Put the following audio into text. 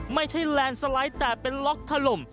ไม่ใช่แลนด์สไลด์แต่เป็นล็อคทะลม